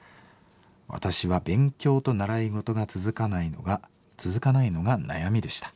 「私は勉強と習い事が続かないのが悩みでした。